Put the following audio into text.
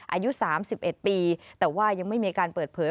อายุ๓๑ปีแต่ว่ายังไม่มีการเปิดเผย